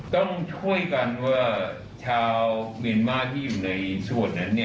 ต้องช่วยกันว่าชาวเมียนมาร์ที่อยู่ในส่วนนั้น